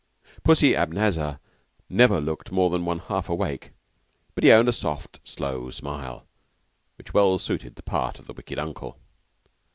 "Pussy" Abanazar never looked more than one half awake, but he owned a soft, slow smile which well suited the part of the Wicked Uncle.